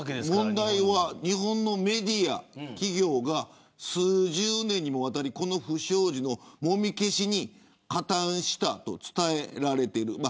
問題は日本のメディア、企業が数十年にもわたりこの不祥事のもみ消しに加担したと伝えられている。